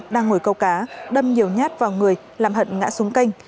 đang ngồi câu cá đâm nhiều nhát vào người làm hận ngã xuống canh